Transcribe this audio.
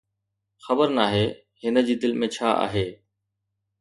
خبر ناهي، هن جي دل ۾ ڇا آهي؟